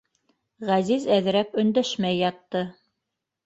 —Ғәзиз әҙерәк өндәшмәй ятты.